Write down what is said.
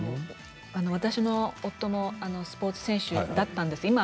私の夫もスポーツ選手だったんです。